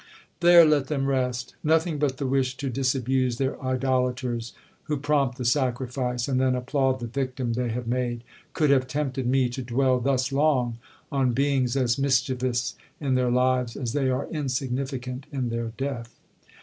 There let them rest—nothing but the wish to disabuse their idolaters, who prompt the sacrifice, and then applaud the victim they have made, could have tempted me to dwell thus long on beings as mischievous in their lives, as they are insignificant in their death.